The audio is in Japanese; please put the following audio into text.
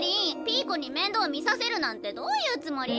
ピーコにめんどう見させるなんてどういうつもり？